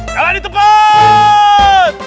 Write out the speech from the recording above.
jalan di tempat